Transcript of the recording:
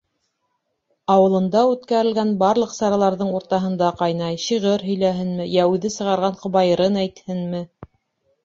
Ауылында үткәрелгән барлыҡ сараларҙың уртаһында ҡайнай: шиғыр һөйләһенме йә үҙе сығарған ҡобайырын әйтһенме...